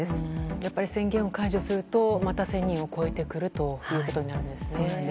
やっぱり宣言を解除するとまた１０００人を超えてくるということになるんですね。